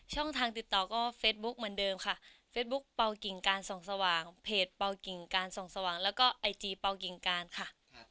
ทางติดต่อก็เฟซบุ๊คเหมือนเดิมค่ะเฟซบุ๊กเปล่ากิ่งการส่องสว่างเพจเปล่ากิ่งการส่องสว่างแล้วก็ไอจีเปล่ากิ่งการค่ะ